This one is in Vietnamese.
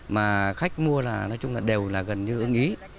mà khách mua là nói chung là đều là gần như ưng ý